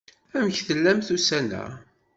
Amek tellamt ussan-a?